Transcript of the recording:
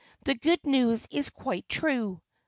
"The good news is quite true.